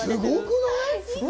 すごくない？